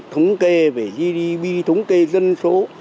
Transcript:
thông kê về gdp thông kê dân số